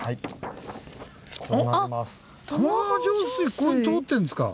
ここに通ってんですか！